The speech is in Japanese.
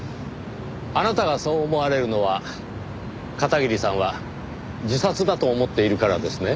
あなたがそう思われるのは片桐さんは自殺だと思っているからですね？